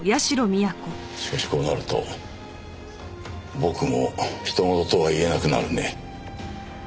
しかしこうなると僕も他人事とは言えなくなるね。